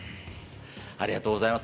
ありがとうございます。